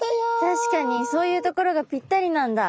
確かにそういう所がぴったりなんだ。